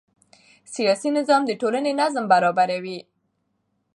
سیاسي نظام د ټولنې نظم برابروي